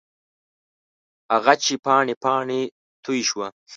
هغه چې پاڼې، پاڼې توی شوه